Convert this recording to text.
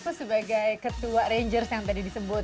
aku sebagai ketua rangers yang tadi disebut